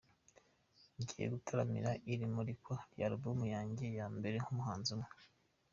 Ngiye kubataramira, iri ni imurikwa rya album yanjye ya mbere nk’umuhanzi umwe.